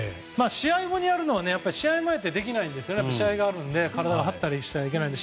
試合後にやるのは試合前にはできませんから試合があるので、体が張ったりしてはいけないので。